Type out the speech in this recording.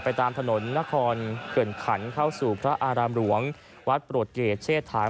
ตามถนนนครเขื่อนขันเข้าสู่พระอารามหลวงวัดโปรดเกรดเชษฐา